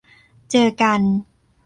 เจอกัน